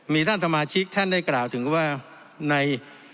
มีท่านสมาชิกท่านได้กล่าวถึงว่าใน